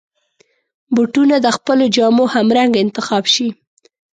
بوټونه د خپلو جامو همرنګ انتخاب شي.